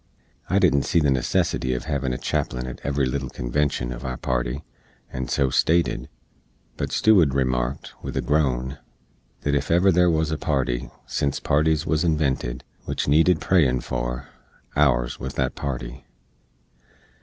I didn't see the necessity uv hevin a chaplin at every little convenshun uv our party, and so stated; but Seward remarked, with a groan, that ef ever there wuz a party, since parties wuz invented, wich needed prayin for, ours wuz that party.